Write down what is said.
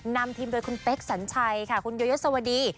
นำทีมโดยคุณเป๊กสัญชัยค่ะคุณโยยศวดี